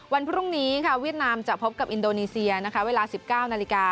วันพรุ่งนี้เวียดนามจะพบกับอินโดนีเซียเวลา๑๙น